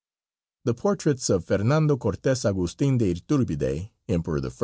The portraits of Fernando Cortes Agustin de Iturbide, Emperor I.